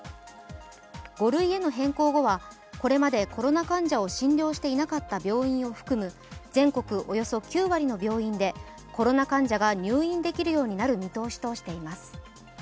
５類への変更後は、これまでコロナ患者を診療していなかった病院を含む全国およそ９割の病院でコロナ患者が入院できるようになる見通しとしています。